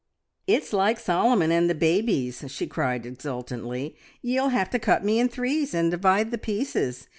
"It's like Solomon and the babies!" she cried exultantly. "Ye'll have to cut me in threes, and divide the pieces.